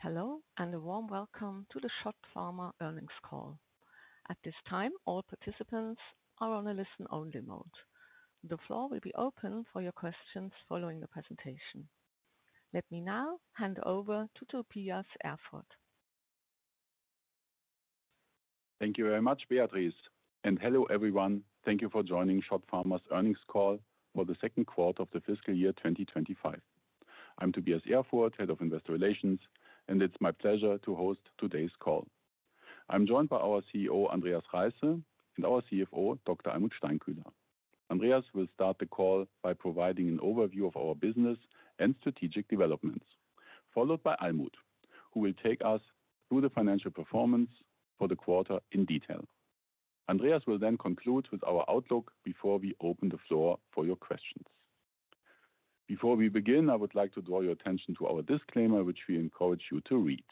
Hello, and a warm welcome to the SCHOTT Pharma Earnings Call. At this time, all participants are on a listen-only mode. The floor will be open for your questions following the presentation. Let me now hand over to Tobias Erfurth. Thank you very much, Beatrice. Hello, everyone. Thank you for joining SCHOTT Pharma's Earnings Call for the second quarter of the fiscal year 2025. I'm Tobias Erfurth, Head of Investor Relations, and it's my pleasure to host today's call. I'm joined by our CEO, Andreas Reisse, and our CFO, Dr. Almuth Steinkühler. Andreas will start the call by providing an overview of our business and strategic developments, followed by Almuth, who will take us through the financial performance for the quarter in detail. Andreas will then conclude with our outlook before we open the floor for your questions. Before we begin, I would like to draw your attention to our disclaimer, which we encourage you to read.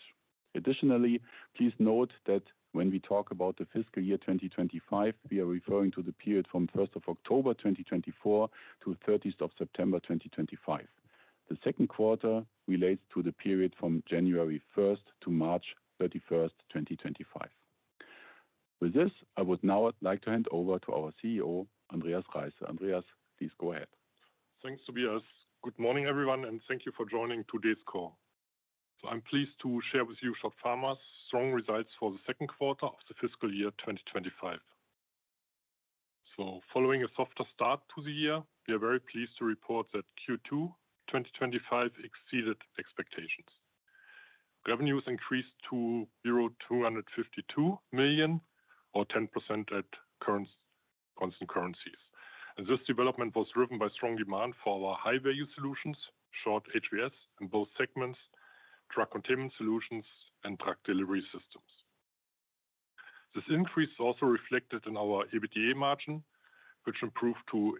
Additionally, please note that when we talk about the fiscal year 2025, we are referring to the period from 1 October 2024 to 30 September 2025. The second quarter relates to the period from January 1 to March 31, 2025. With this, I would now like to hand over to our CEO, Andreas Reisse. Andreas, please go ahead. Thanks, Tobias. Good morning, everyone, and thank you for joining today's call. I'm pleased to share with you SCHOTT Pharma's strong results for the second quarter of the fiscal year 2025. Following a softer start to the year, we are very pleased to report that Q2 2025 exceeded expectations. Revenues increased to euro 252 million, or 10% at constant currencies. This development was driven by strong demand for our high-value solutions, short HVS, in both segments, drug containment solutions, and drug delivery systems. This increase is also reflected in our EBITDA margin, which improved to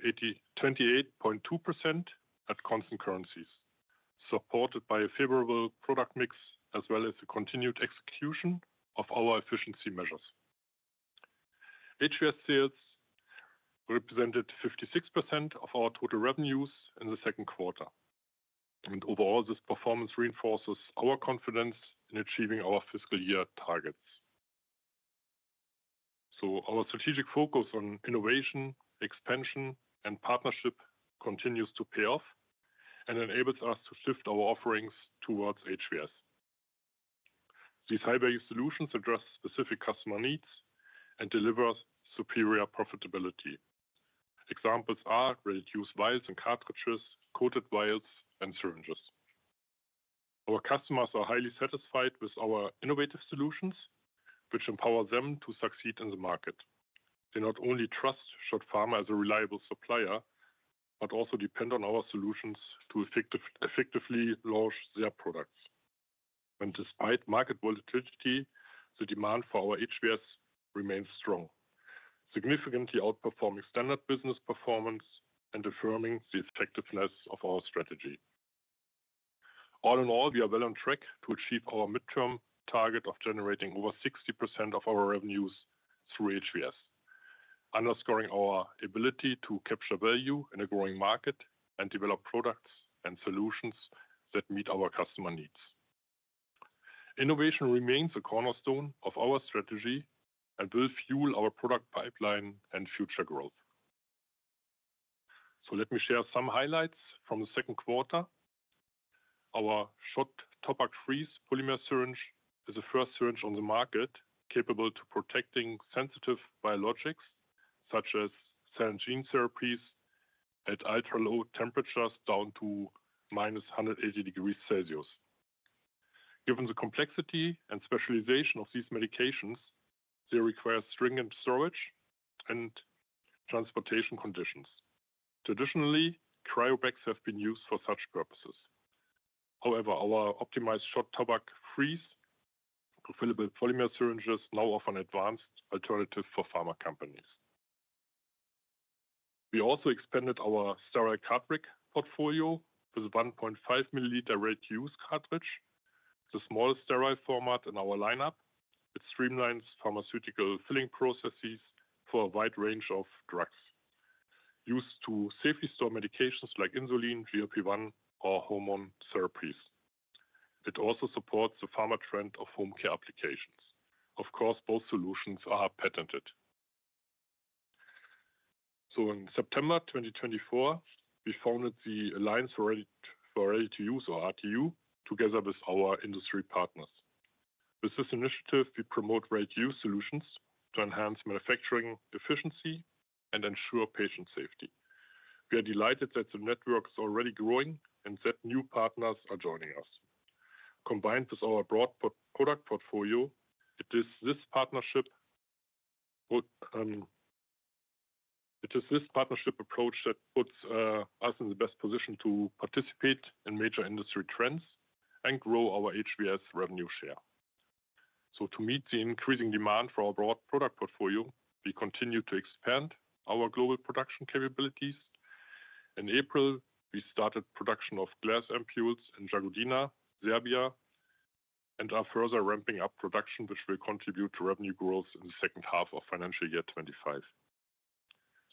28.2% at constant currencies, supported by a favorable product mix, as well as the continued execution of our efficiency measures. HVS sales represented 56% of our total revenues in the second quarter. Overall, this performance reinforces our confidence in achieving our fiscal year targets. Our strategic focus on innovation, expansion, and partnership continues to pay off and enables us to shift our offerings towards HVS. These high-value solutions address specific customer needs and deliver superior profitability. Examples are reduced vials and cartridges, coated vials, and syringes. Our customers are highly satisfied with our innovative solutions, which empower them to succeed in the market. They not only trust SCHOTT Pharma as a reliable supplier, but also depend on our solutions to effectively launch their products. Despite market volatility, the demand for our HVS remains strong, significantly outperforming standard business performance and affirming the effectiveness of our strategy. All in all, we are well on track to achieve our midterm target of generating over 60% of our revenues through HVS, underscoring our ability to capture value in a growing market and develop products and solutions that meet our customer needs. Innovation remains a cornerstone of our strategy and will fuel our product pipeline and future growth. Let me share some highlights from the second quarter. Our SCHOTT Topak Freeze Polymer Syringe is the first syringe on the market capable of protecting sensitive biologics such as cell and gene therapies at ultra-low temperatures down to minus 180 degrees Celsius. Given the complexity and specialization of these medications, they require stringent storage and transportation conditions. Traditionally, cryopacks have been used for such purposes. However, our optimized SCHOTT Topak Freeze fillable polymer syringes now offer an advanced alternative for pharma companies. We also expanded our sterile cartridge portfolio with a 1.5 milliliter ready-to-use cartridge, the smallest sterile format in our lineup. It streamlines pharmaceutical filling processes for a wide range of drugs used to safely store medications like insulin, GLP-1, or hormone therapies. It also supports the pharma trend of home care applications. Of course, both solutions are patented. In September 2024, we founded the Alliance for RTU, or RTU, together with our industry partners. With this initiative, we promote ready-to-use solutions to enhance manufacturing efficiency and ensure patient safety. We are delighted that the network is already growing and that new partners are joining us. Combined with our broad product portfolio, it is this partnership approach that puts us in the best position to participate in major industry trends and grow our HVS revenue share. To meet the increasing demand for our broad product portfolio, we continue to expand our global production capabilities. In April, we started production of glass ampoules in Jagodina, Serbia, and are further ramping up production, which will contribute to revenue growth in the second half of financial year 2025.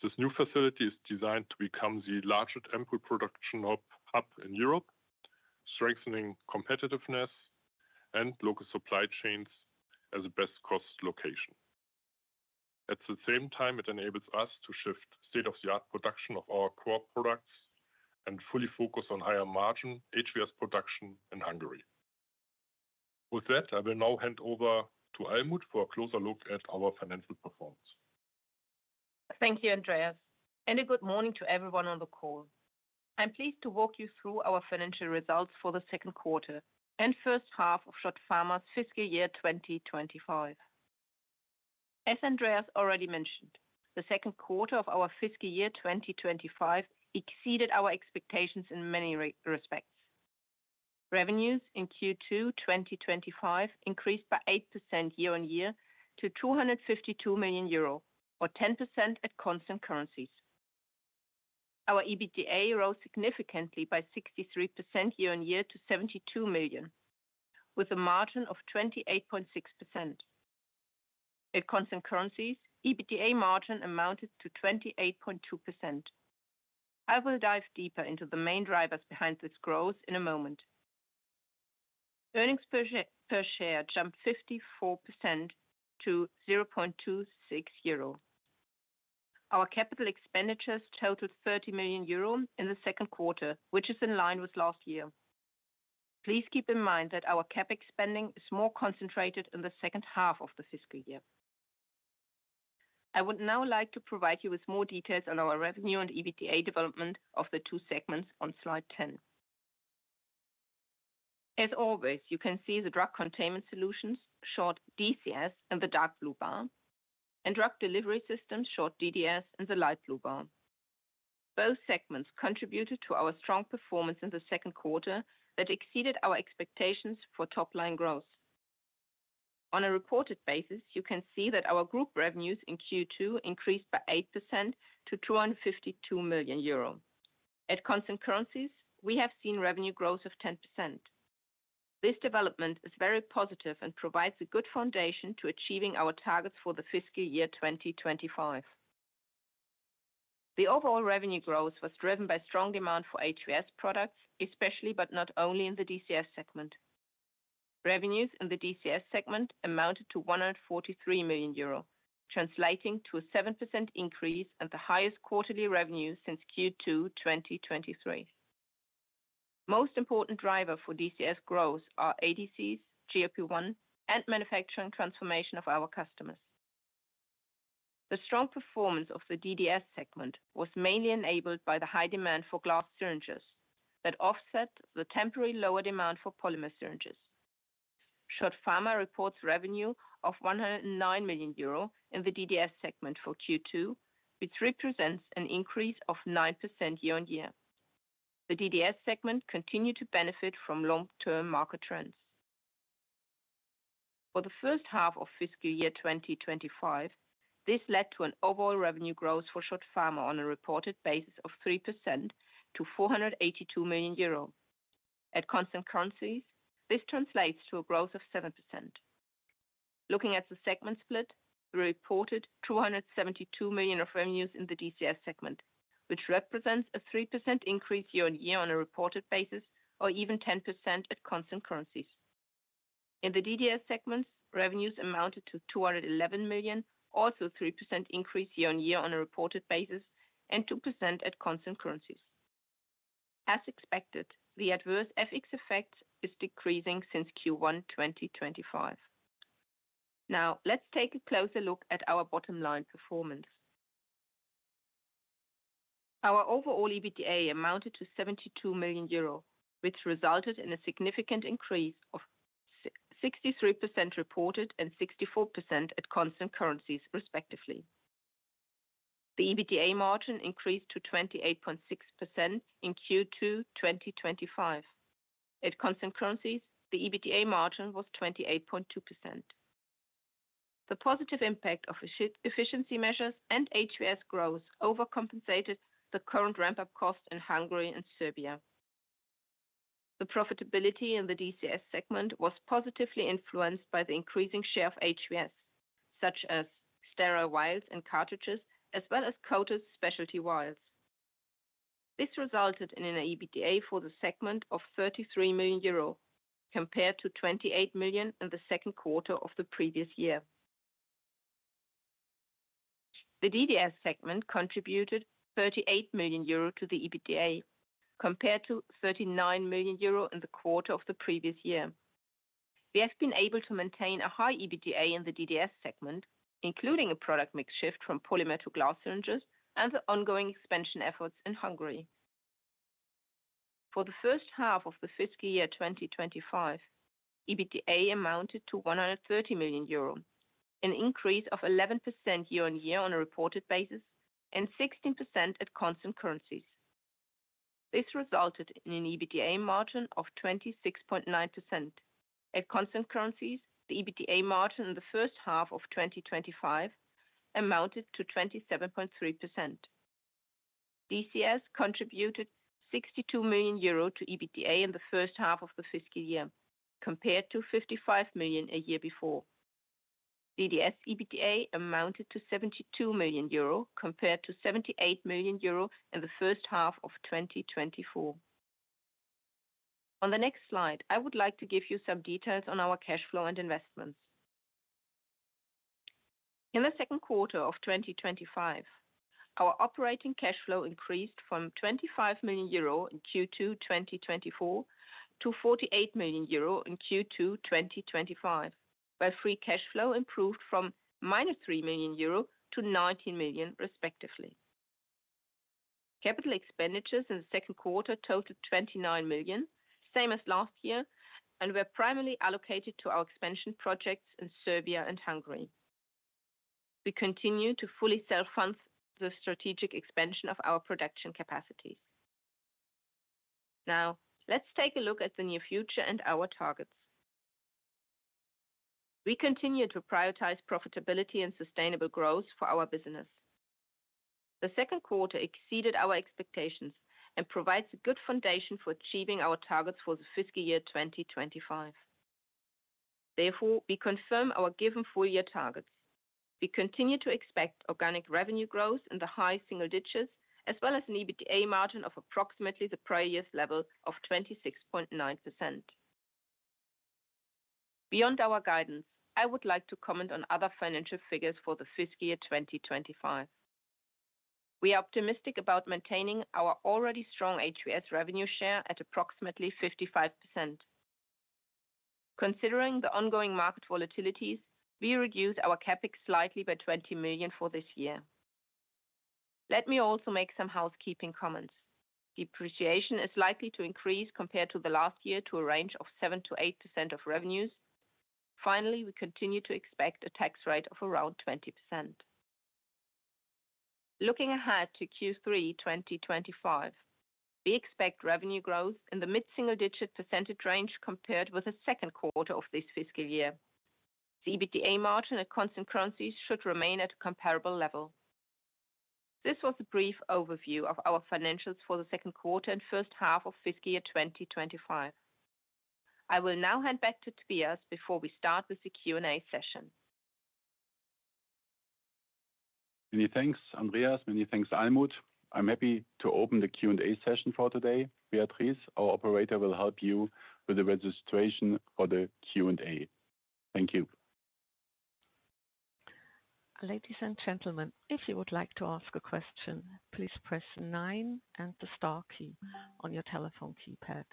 This new facility is designed to become the largest ampoule production hub in Europe, strengthening competitiveness and local supply chains as a best-cost location. At the same time, it enables us to shift state-of-the-art production of our core products and fully focus on higher-margin HVS production in Hungary. With that, I will now hand over to Almuth for a closer look at our financial performance. Thank you, Andreas. A good morning to everyone on the call. I'm pleased to walk you through our financial results for the second quarter and first half of SCHOTT Pharma's fiscal year 2025. As Andreas already mentioned, the second quarter of our fiscal year 2025 exceeded our expectations in many respects. Revenues in Q2 2025 increased by 8% year-on-year to 252 million euro, or 10% at constant currencies. Our EBITDA rose significantly by 63% year-on-year to 72 million, with a margin of 28.6%. At constant currencies, EBITDA margin amounted to 28.2%. I will dive deeper into the main drivers behind this growth in a moment. Earnings per share jumped 54% to 0.26 euro. Our capital expenditures totaled 30 million euro in the second quarter, which is in line with last year. Please keep in mind that our capex spending is more concentrated in the second half of the fiscal year. I would now like to provide you with more details on our revenue and EBITDA development of the two segments on slide 10. As always, you can see the drug containment solutions, short DCS, in the dark blue bar, and drug delivery systems, short DDS, in the light blue bar. Both segments contributed to our strong performance in the second quarter that exceeded our expectations for top-line growth. On a reported basis, you can see that our group revenues in Q2 increased by 8% to 252 million euro. At constant currencies, we have seen revenue growth of 10%. This development is very positive and provides a good foundation to achieving our targets for the fiscal year 2025. The overall revenue growth was driven by strong demand for HVS products, especially, but not only, in the DCS segment. Revenues in the DCS segment amounted to 143 million euro, translating to a 7% increase and the highest quarterly revenue since Q2 2023. Most important drivers for DCS growth are ADCs, GLP-1, and manufacturing transformation of our customers. The strong performance of the DDS segment was mainly enabled by the high demand for glass syringes that offset the temporary lower demand for polymer syringes. SCHOTT Pharma reports revenue of 109 million euro in the DDS segment for Q2, which represents an increase of 9% year-on-year. The DDS segment continued to benefit from long-term market trends. For the first half of fiscal year 2025, this led to an overall revenue growth for SCHOTT Pharma on a reported basis of 3% to 482 million euro. At constant currencies, this translates to a growth of 7%. Looking at the segment split, we reported 272 million of revenues in the DCS segment, which represents a 3% increase year-on-year on a reported basis, or even 10% at constant currencies. In the DDS segments, revenues amounted to 211 million, also a 3% increase year-on-year on a reported basis, and 2% at constant currencies. As expected, the adverse FX effect is decreasing since Q1 2025. Now, let's take a closer look at our bottom-line performance. Our overall EBITDA amounted to 72 million euro, which resulted in a significant increase of 63% reported and 64% at constant currencies, respectively. The EBITDA margin increased to 28.6% in Q2 2025. At constant currencies, the EBITDA margin was 28.2%. The positive impact of efficiency measures and HVS growth overcompensated the current ramp-up cost in Hungary and Serbia. The profitability in the DCS segment was positively influenced by the increasing share of HVS, such as sterile vials and cartridges, as well as coated specialty vials. This resulted in an EBITDA for the segment of 33 million euro, compared to 28 million in the second quarter of the previous year. The DDS segment contributed 38 million euro to the EBITDA, compared to 39 million euro in the quarter of the previous year. We have been able to maintain a high EBITDA in the DDS segment, including a product mix shift from polymer to glass syringes and the ongoing expansion efforts in Hungary. For the first half of the fiscal year 2025, EBITDA amounted to 130 million euro, an increase of 11% year-on-year on a reported basis and 16% at constant currencies. This resulted in an EBITDA margin of 26.9%. At constant currencies, the EBITDA margin in the first half of 2025 amounted to 27.3%. DCS contributed 62 million euro to EBITDA in the first half of the fiscal year, compared to 55 million a year before. DDS EBITDA amounted to 72 million euro, compared to 78 million euro in the first half of 2024. On the next slide, I would like to give you some details on our cash flow and investments. In the second quarter of 2025, our operating cash flow increased from 25 million euro in Q2 2024 to 48 million euro in Q2 2025, while free cash flow improved from -3 million euro to 19 million, respectively. Capital expenditures in the second quarter totaled 29 million, same as last year, and were primarily allocated to our expansion projects in Serbia and Hungary. We continue to fully self-fund the strategic expansion of our production capacities. Now, let's take a look at the near future and our targets. We continue to prioritize profitability and sustainable growth for our business. The second quarter exceeded our expectations and provides a good foundation for achieving our targets for the fiscal year 2025. Therefore, we confirm our given full-year targets. We continue to expect organic revenue growth in the high single digits, as well as an EBITDA margin of approximately the prior year's level of 26.9%. Beyond our guidance, I would like to comment on other financial figures for the fiscal year 2025. We are optimistic about maintaining our already strong HVS revenue share at approximately 55%. Considering the ongoing market volatilities, we reduce our CapEx slightly by 20 million for this year. Let me also make some housekeeping comments. Depreciation is likely to increase compared to the last year to a range of 7%-8% of revenues. Finally, we continue to expect a tax rate of around 20%. Looking ahead to Q3 2025, we expect revenue growth in the mid-single-digit % range compared with the second quarter of this fiscal year. The EBITDA margin at constant currencies should remain at a comparable level. This was a brief overview of our financials for the second quarter and first half of fiscal year 2025. I will now hand back to Tobias before we start with the Q&A session. Many thanks, Andreas. Many thanks, Almuth. I'm happy to open the Q&A session for today. Beatrice, our operator, will help you with the registration for the Q&A. Thank you. Ladies and gentlemen, if you would like to ask a question, please press 9 and the star key on your telephone keypad.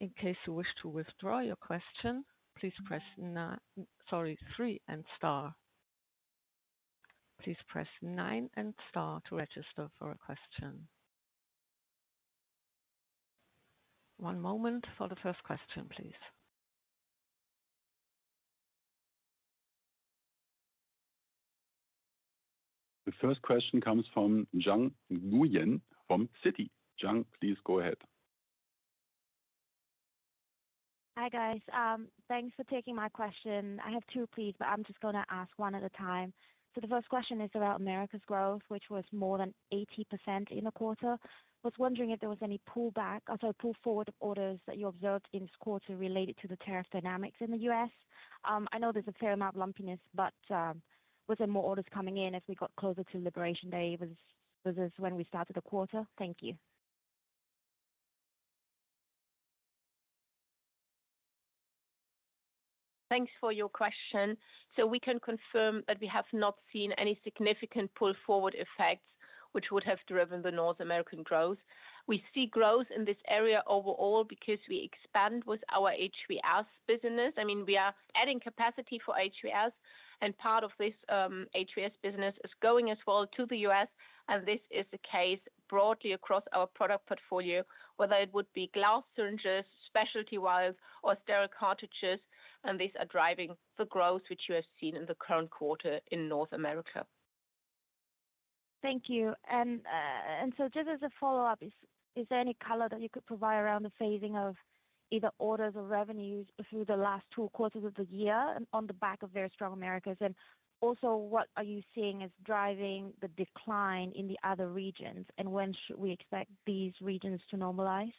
In case you wish to withdraw your question, please press 3 and star. Please press 9 and star to register for a question. One moment for the first question, please. The first question comes from Giang Nguyen from Citi. Zhang, please go ahead. Hi, guys. Thanks for taking my question. I have two, please, but I'm just going to ask one at a time. The first question is about America's growth, which was more than 80% in the quarter. I was wondering if there was any pullback, sorry, pull forward of orders that you observed in this quarter related to the tariff dynamics in the U.S. I know there's a fair amount of lumpiness, but were there more orders coming in as we got closer to Liberation Day? Was this when we started the quarter? Thank you. Thanks for your question. We can confirm that we have not seen any significant pull forward effects, which would have driven the North American growth. We see growth in this area overall because we expand with our HVS business. I mean, we are adding capacity for HVS, and part of this HVS business is going as well to the US, and this is the case broadly across our product portfolio, whether it would be glass syringes, specialty vials, or sterile cartridges. These are driving the growth, which you have seen in the current quarter in North America. Thank you. Just as a follow-up, is there any color that you could provide around the phasing of either orders or revenues through the last two quarters of the year on the back of very strong Americas? Also, what are you seeing as driving the decline in the other regions, and when should we expect these regions to normalize?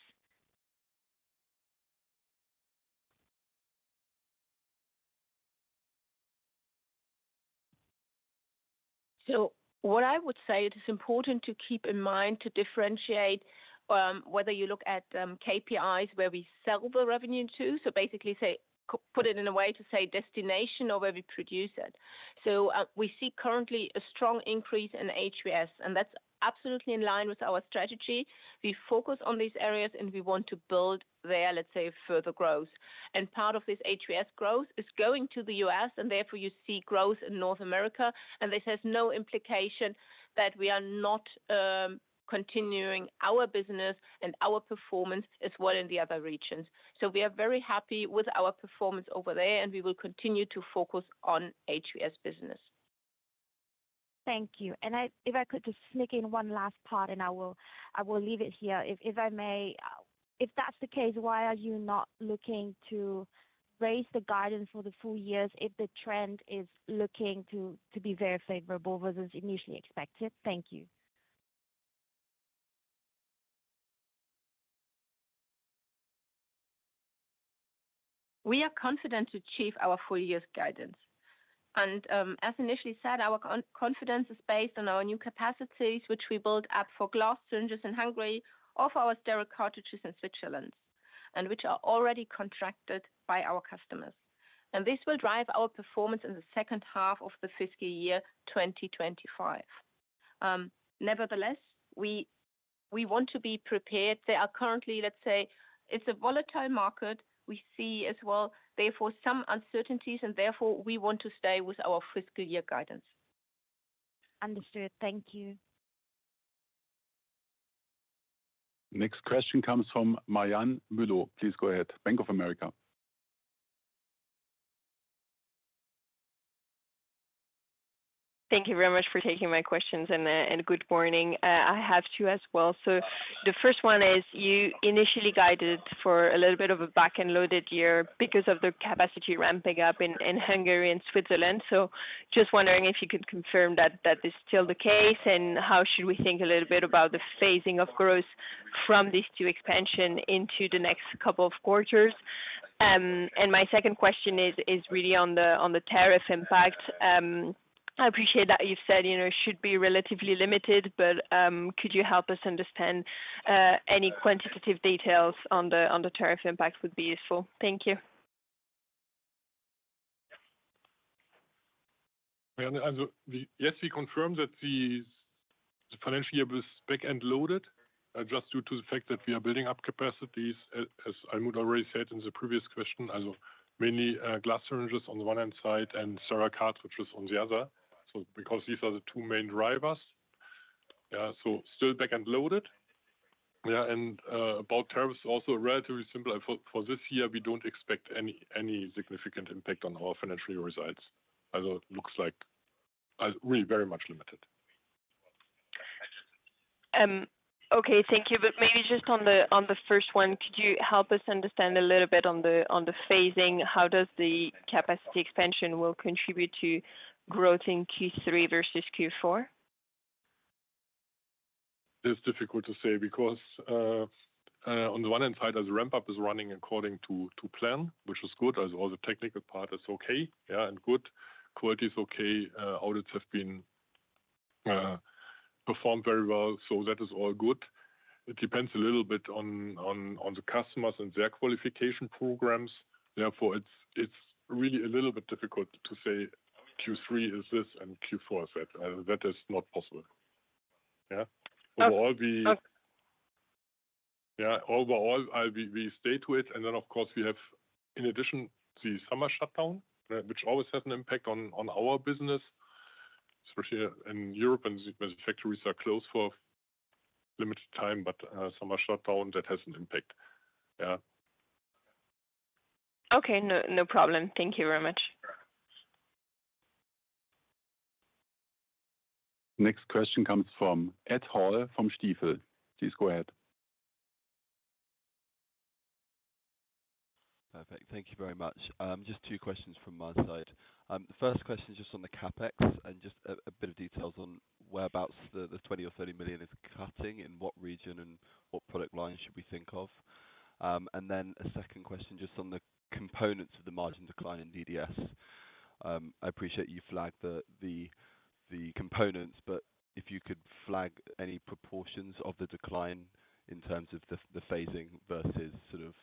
What I would say is it's important to keep in mind to differentiate whether you look at KPIs where we sell the revenue to, so basically put it in a way to say destination or where we produce it. We see currently a strong increase in HVS, and that's absolutely in line with our strategy. We focus on these areas, and we want to build there, let's say, further growth. Part of this HVS growth is going to the U.S., and therefore you see growth in North America, and this has no implication that we are not continuing our business and our performance as well in the other regions. We are very happy with our performance over there, and we will continue to focus on HVS business. Thank you. If I could just sneak in one last part, and I will leave it here, if I may, if that's the case, why are you not looking to raise the guidance for the full years if the trend is looking to be very favorable versus initially expected? Thank you. We are confident to achieve our full-year guidance. As initially said, our confidence is based on our new capacities, which we built up for glass syringes in Hungary or for our sterile cartridges in Switzerland, and which are already contracted by our customers. This will drive our performance in the second half of the fiscal year 2025. Nevertheless, we want to be prepared. Currently, let's say, it's a volatile market. We see as well, therefore, some uncertainties, and therefore we want to stay with our fiscal year guidance. Understood. Thank you. Next question comes from Marjan Müller. Please go ahead. Bank of America. Thank you very much for taking my questions, and good morning. I have two as well. The first one is you initially guided for a little bit of a back-and-loaded year because of the capacity ramping up in Hungary and Switzerland. I am just wondering if you could confirm that that is still the case, and how should we think a little bit about the phasing of growth from these two expansions into the next couple of quarters? My second question is really on the tariff impact. I appreciate that you've said it should be relatively limited, but could you help us understand any quantitative details on the tariff impact would be useful? Thank you. Yes, we confirm that the financial year was back-and-loaded just due to the fact that we are building up capacities, as Almuth already said in the previous question, mainly glass syringes on the one hand side and sterile cartridges on the other, because these are the two main drivers. Still back-and-loaded. About tariffs, also relatively simple. For this year, we do not expect any significant impact on our financial year results. It looks like very much limited. Okay, thank you. Maybe just on the first one, could you help us understand a little bit on the phasing? How does the capacity expansion will contribute to growth in Q3 versus Q4? It's difficult to say because on the one hand side, as ramp-up is running according to plan, which is good, as well as the technical part is okay and good. Quality is okay. Audits have been performed very well, so that is all good. It depends a little bit on the customers and their qualification programs. Therefore, it's really a little bit difficult to say Q3 is this and Q4 is that. That is not possible. Yeah? Overall, we stay to it. And then, of course, we have, in addition, the summer shutdown, which always has an impact on our business, especially in Europe when factories are closed for a limited time, but summer shutdown, that has an impact. Yeah. Okay, no problem. Thank you very much. Next question comes from Ed Hall from Stifel. Please go ahead. Perfect. Thank you very much. Just two questions from my side. The first question is just on the CapEx and just a bit of details on whereabouts the 20 or 30 million is cutting, in what region, and what product lines should we think of? A second question just on the components of the margin decline in DDS. I appreciate you flagged the components, but if you could flag any proportions of the decline in terms of the phasing versus sort of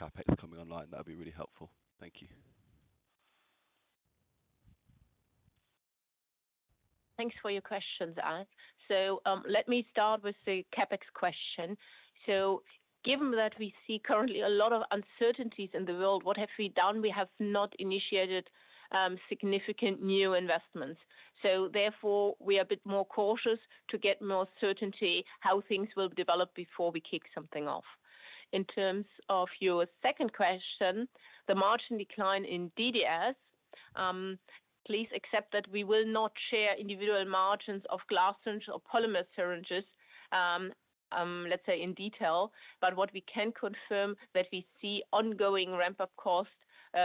CapEx coming online, that would be really helpful. Thank you. Thanks for your questions, Alan. Let me start with the CapEx question. Given that we see currently a lot of uncertainties in the world, what have we done? We have not initiated significant new investments. Therefore, we are a bit more cautious to get more certainty how things will develop before we kick something off. In terms of your second question, the margin decline in DDS, please accept that we will not share individual margins of glass syringes or polymer syringes, let's say, in detail, but what we can confirm is that we see ongoing ramp-up cost,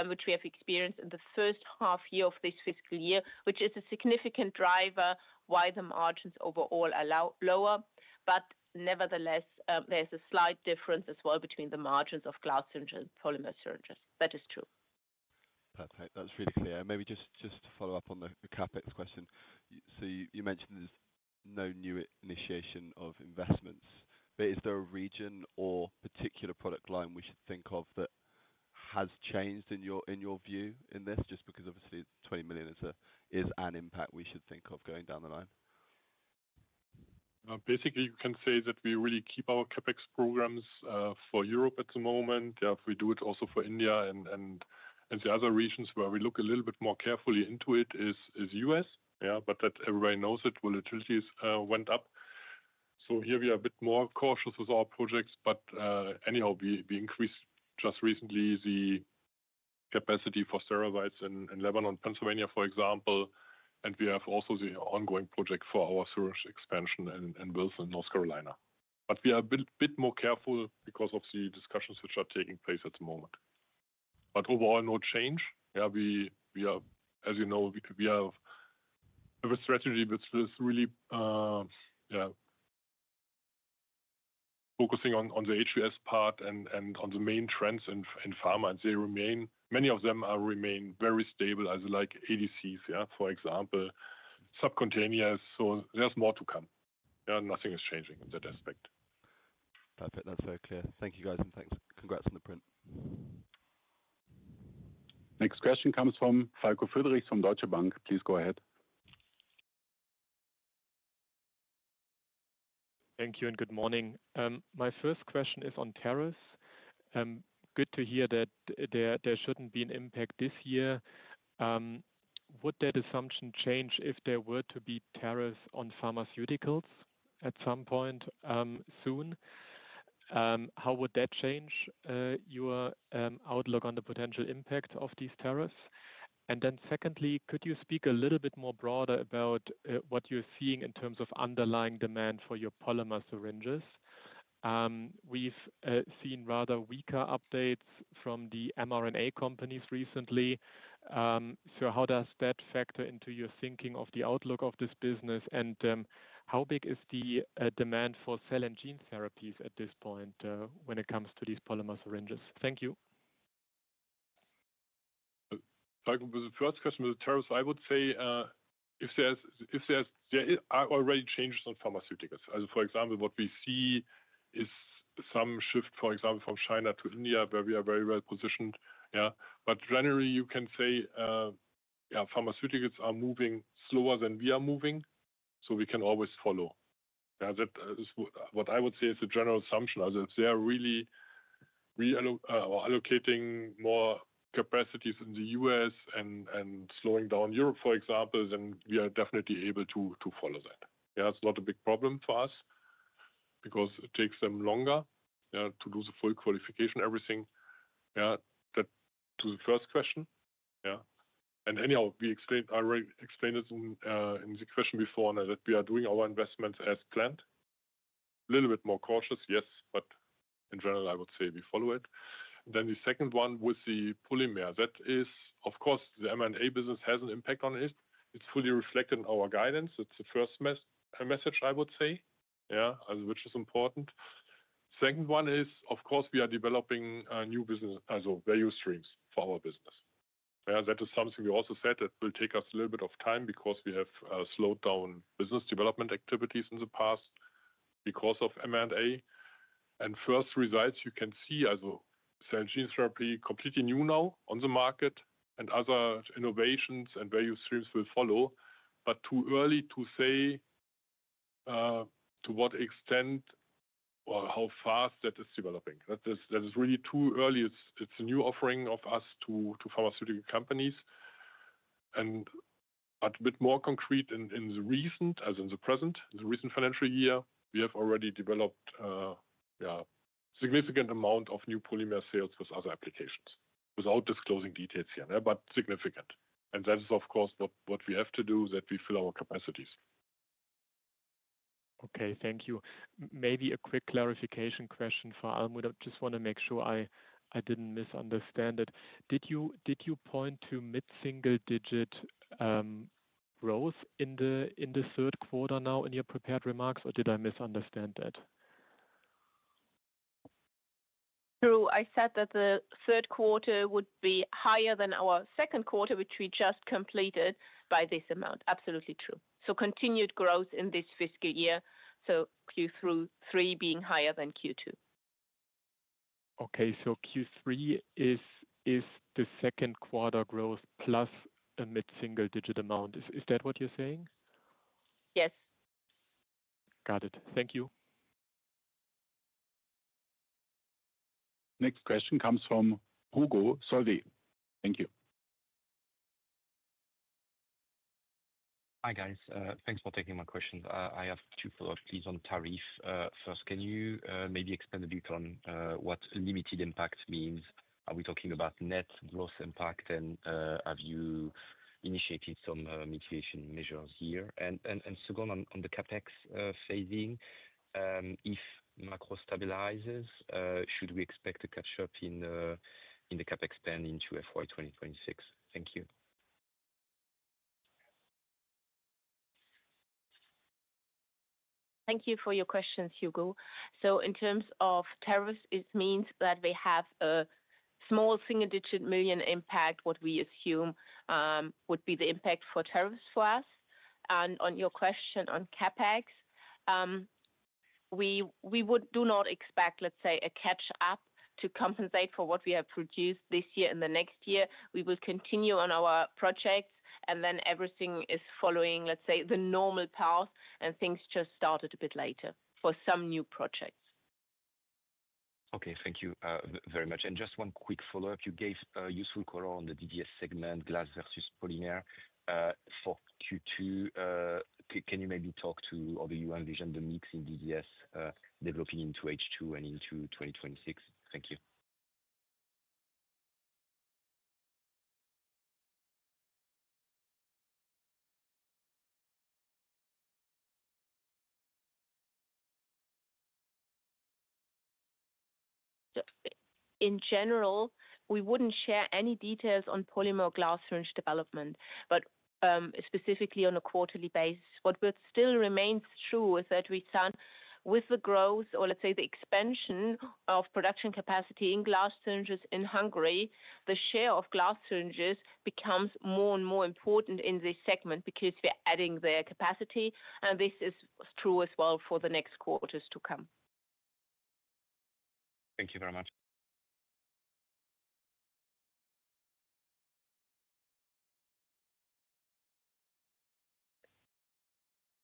which we have experienced in the first half year of this fiscal year, which is a significant driver why the margins overall are lower. Nevertheless, there is a slight difference as well between the margins of glass syringes and polymer syringes. That is true. Perfect. That's really clear. Maybe just to follow up on the CapEx question. You mentioned there's no new initiation of investments, but is there a region or particular product line we should think of that has changed in your view in this? Just because obviously $20 million is an impact we should think of going down the line. Basically, you can say that we really keep our CapEx programs for Europe at the moment. We do it also for India, and the other regions where we look a little bit more carefully into it is the U.S., but everybody knows that volatilities went up. Here we are a bit more cautious with our projects, but anyhow, we increased just recently the capacity for sterile vials in Lebanon and Pennsylvania, for example, and we have also the ongoing project for our syringe expansion in Wilson and North Carolina. We are a bit more careful because of the discussions which are taking place at the moment. Overall, no change. As you know, we have a strategy which is really focusing on the HVS part and on the main trends in pharma. Many of them remain very stable, like ADCs, for example, subcontainers. There is more to come. Nothing is changing in that aspect. Perfect. That's very clear. Thank you, guys, and congrats on the print. Next question comes from Falko Friedrich from Deutsche Bank. Please go ahead. Thank you and good morning. My first question is on tariffs. Good to hear that there should not be an impact this year. Would that assumption change if there were to be tariffs on pharmaceuticals at some point soon? How would that change your outlook on the potential impact of these tariffs? Secondly, could you speak a little bit more broadly about what you are seeing in terms of underlying demand for your polymer syringes? We have seen rather weaker updates from the mRNA companies recently. How does that factor into your thinking of the outlook of this business? How big is the demand for cell and gene therapies at this point when it comes to these polymer syringes? Thank you. Falco, the first question with the tariffs, I would say if there are already changes on pharmaceuticals. For example, what we see is some shift, for example, from China to India, where we are very well positioned. Generally, you can say pharmaceuticals are moving slower than we are moving, so we can always follow. What I would say is a general assumption. If they are really allocating more capacities in the U.S. and slowing down Europe, for example, we are definitely able to follow that. It's not a big problem for us because it takes them longer to do the full qualification, everything. To the first question, yeah. Anyhow, we explained it in the question before that we are doing our investments as planned. A little bit more cautious, yes, but in general, I would say we follow it. The second one with the polymer. That is, of course, the mRNA business has an impact on it. It's fully reflected in our guidance. It's the first message, I would say, which is important. The second one is, of course, we are developing new value streams for our business. That is something we also said that will take us a little bit of time because we have slowed down business development activities in the past because of mRNA. First results, you can see, cell and gene therapy, completely new now on the market, and other innovations and value streams will follow, but too early to say to what extent or how fast that is developing. That is really too early. It's a new offering of us to pharmaceutical companies. A bit more concrete in the recent, as in the present, the recent financial year, we have already developed a significant amount of new polymer sales with other applications without disclosing details here, but significant. That is, of course, what we have to do, that we fill our capacities. Okay, thank you. Maybe a quick clarification question for Almuth. I just want to make sure I didn't misunderstand it. Did you point to mid-single-digit growth in the third quarter now in your prepared remarks, or did I misunderstand that? True. I said that the third quarter would be higher than our second quarter, which we just completed. By this amount. Absolutely true. Continued growth in this fiscal year, Q3 being higher than Q2. Okay, so Q3 is the second quarter growth plus a mid-single-digit amount. Is that what you're saying? Yes. Got it. Thank you. Next question comes from Hugo Solvay. Thank you. Hi guys. Thanks for taking my questions. I have two follow-ups, please, on tariff. First, can you maybe explain a bit on what limited impact means? Are we talking about net growth impact, and have you initiated some mitigation measures here? Second, on the CapEx phasing, if macro stabilizes, should we expect a catch-up in the CapEx spend into fiscal year 2026? Thank you. Thank you for your questions, Hugo. In terms of tariffs, it means that we have a small single-digit million impact, what we assume would be the impact for tariffs for us. On your question on CapEx, we do not expect, let's say, a catch-up to compensate for what we have produced this year and the next year. We will continue on our projects, and then everything is following, let's say, the normal path, and things just started a bit later for some new projects. Okay, thank you very much. Just one quick follow-up. You gave useful color on the DDS segment, glass versus polymer for Q2. Can you maybe talk to, or do you envision the mix in DDS developing into H2 and into 2026? Thank you. In general, we wouldn't share any details on polymer glass syringe development, but specifically on a quarterly basis. What still remains true is that with the growth, or let's say the expansion of production capacity in glass syringes in Hungary, the share of glass syringes becomes more and more important in this segment because we're adding their capacity. This is true as well for the next quarters to come. Thank you very much.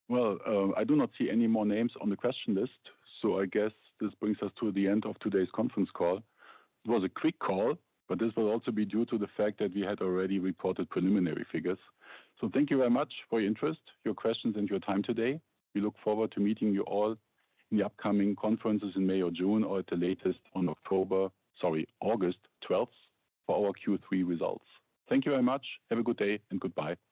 I do not see any more names on the question list, so I guess this brings us to the end of today's conference call. It was a quick call, but this will also be due to the fact that we had already reported preliminary figures. Thank you very much for your interest, your questions, and your time today. We look forward to meeting you all in the upcoming conferences in May or June, or at the latest on August 12th, for our Q3 results. Thank you very much. Have a good day and goodbye.